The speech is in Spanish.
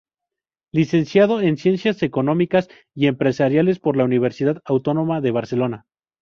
Licenciado en Ciencias Económicas y Empresariales por la Universidad Autónoma de Barcelona.